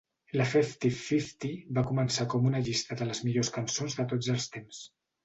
La Festive Fifty va començar com una llista de les millors cançons de tots els temps.